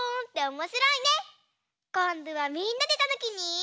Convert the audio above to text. こんどはみんなでたぬきに。